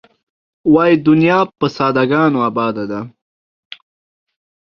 وایې دنیا په ساده ګانو آباده ده.